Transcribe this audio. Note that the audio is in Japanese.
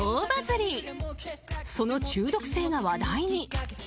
［その中毒性が話題に］